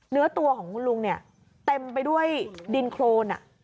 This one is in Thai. เนื้อตัวของคุณลุงเนี่ยเต็มไปด้วยดินโครน